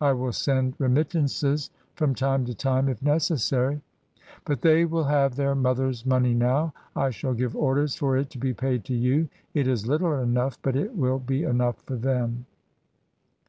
I will send remittances from time to time, if necessary. But they will have their mother's money now. I shall give orders for it to be paid to you, it is little enough, but it will be enough for them."